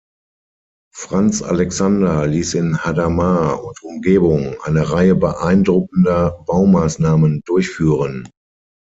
Franz Alexander ließ in Hadamar und Umgebung eine Reihe beeindruckender Baumaßnahmen durchführen.